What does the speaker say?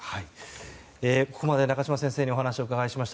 ここまで中島先生にお話をお伺いしました。